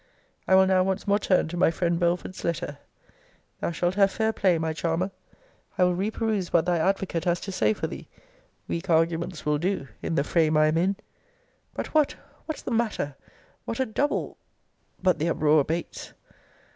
I will now once more turn to my friend Belford's letter. Thou shalt have fair play, my charmer. I will reperuse what thy advocate has to say for thee. Weak arguments will do, in the frame I am in! But, what, what's the matter! What a double But the uproar abates!